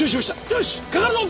よしかかるぞ！